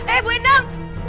eh bu endang